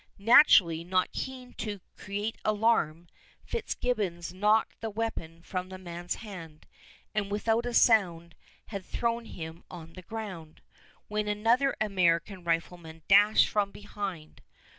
Naturally not keen to create alarm, Fitzgibbons knocked the weapon from the man's hand, and without a sound had thrown him on the ground, when another American rifleman dashed from behind.